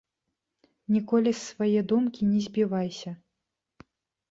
Ніколі з свае думкі не збівайся.